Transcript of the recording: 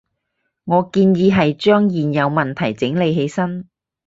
我建議係將現有問題整理起身